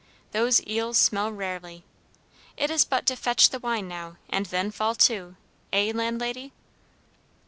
Those eels smell rarely. It is but to fetch the wine now, and then fall to, eh, Landlady?"